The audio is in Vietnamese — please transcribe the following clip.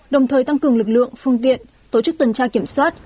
đồng thời tăng cường lực lượng phương tiện tổ chức tuần tra kiểm soát